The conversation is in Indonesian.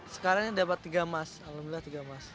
sekarang dapat tiga emas alhamdulillah tiga emas